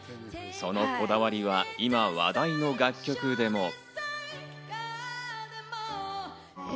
そのこだわりは今、話題の楽曲でも。